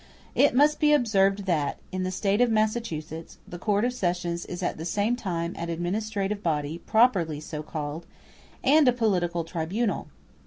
*t It must be observed, that in the State of Massachusetts the Court of Sessions is at the same time an administrative body, properly so called, and a political tribunal.